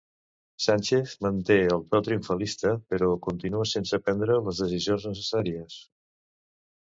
Sánchez manté el to triomfalista, però continua sense prendre les decisions necessàries.